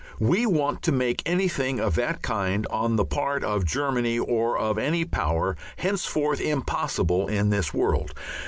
We want to make anything of that kind on the part of Germany or of any other Power henceforth impossible in this world.